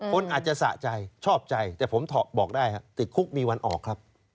คนอาจจะสะใจชอบใจแต่ผมบอกได้ติดคุกมีวันออกครับ